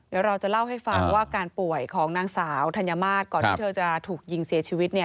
เดี๋ยวเราจะเล่าให้ฟังว่าการป่วยของนางสาวธัญมาตรก่อนที่เธอจะถูกยิงเสียชีวิต